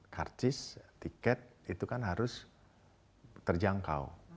karcis tiket itu kan harus terjangkau